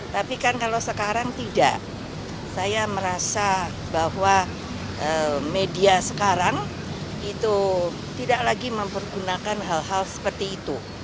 tapi kan kalau sekarang tidak saya merasa bahwa media sekarang itu tidak lagi mempergunakan hal hal seperti itu